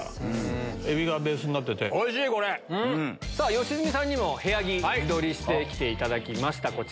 良純さんにも部屋着自撮りしてきていただきました。